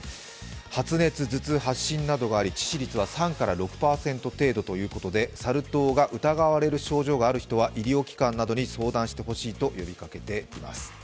発熱、頭痛、発疹などがあり、致死率は３から５％ということでサル痘が疑われる症状がある人医療機関に相談してほしいと呼びかけています。